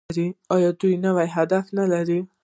آیا دوی نوي اهداف نلري؟